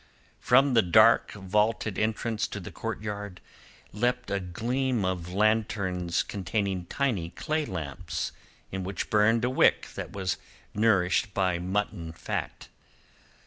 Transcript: From the dark vaulted entrance of the courtyard leapt a gleam of lanterns containing tiny clay lamps in which burned a wick that was nourished by mutton fat.